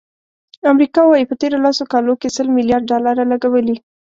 امریکا وایي، په تېرو لسو کالو کې سل ملیارد ډالر لګولي.